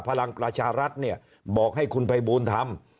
พลังประชารัฐเนี่ยบอกให้คุณภัยบูลทำ